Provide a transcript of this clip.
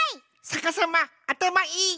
さかさまあたまいい！